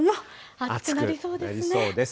暑くなりそうです。